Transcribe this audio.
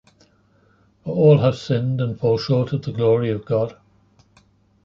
For all have sinned and fall short of the glory of God.